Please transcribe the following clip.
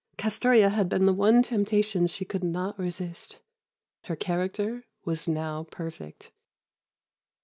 Castoria had been the one temptation she could not resist. Her character was now perfect.